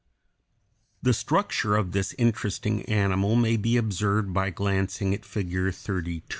] The structure of this interesting animal may be observed by glancing at Figure 32.